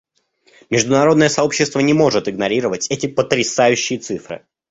Международное сообщество не может игнорировать эти потрясающие цифры.